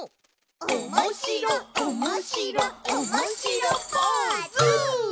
おもしろおもしろおもしろポーズ！